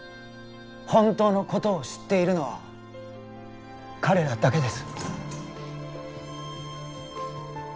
本当のことを知っているのは彼らだけです